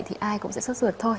thì ai cũng sẽ sốt ruột thôi